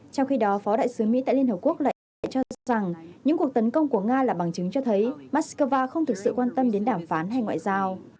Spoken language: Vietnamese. trong khi đó phó đại sứ mỹ tại liên hợp quốc lại ý nghĩa cho rằng những cuộc tấn công của nga là bằng chứng cho thấy moscow không thực sự quan tâm đến đàm phán hay ngoại giao